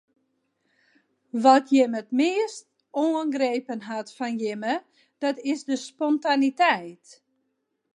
Wat my it meast oangrepen hat fan jimme dat is de spontaniteit.